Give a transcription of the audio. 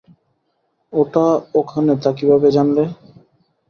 ওটা ওখানে তা কীভাবে জানলে?